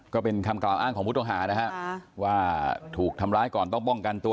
ก็เป็นคำกล่าวอ้างของผู้ต้องหานะฮะว่าถูกทำร้ายก่อนต้องป้องกันตัว